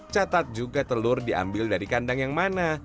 catat juga telur diambil dari kandang yang mana